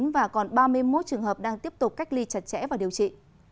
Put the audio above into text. và còn ba mươi một trường hợp đang tiếp tục cách ly chặt chẽ và điều trị